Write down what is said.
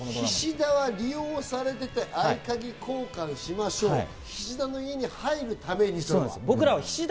菱田は利用されていて合鍵交換しましょうと、菱田の家に入るために。